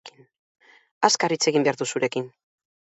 Azkar hitz egin behar dut zurekin.